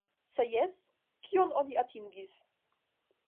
Se jes, kion oni atingis?